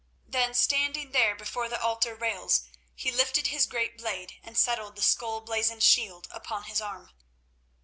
Then, standing there before the altar rails, he lifted his great blade and settled the skull blazoned shield upon his arm.